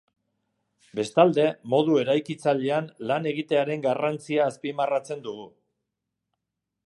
Bestalde, modu eraikitzailean lan egitearen garrantzia azpimarratzen dugu.